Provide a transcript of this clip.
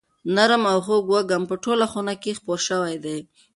نرم او خوږ وږم په ټوله خونه کې خپور شوی دی.